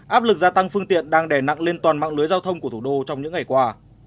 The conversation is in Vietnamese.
áp lực gia tăng phương tiện đang đè nặng lên toàn mạng lưới giao thông của thủ đô trong những ngày qua